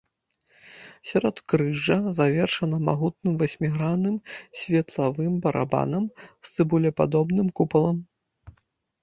Сяродкрыжжа завершана магутным васьмігранным светлавым барабанам з цыбулепадобным купалам.